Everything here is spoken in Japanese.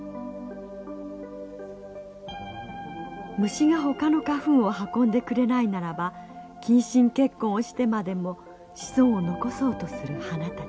虫がほかの花粉を運んでくれないならば近親結婚をしてまでも子孫を残そうとする花たち。